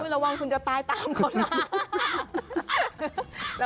ระวังคุณจะตายตามเขานะ